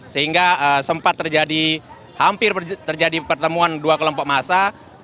sehingga sempat terjadi hampir terjadi pertemuan dua kelompok massa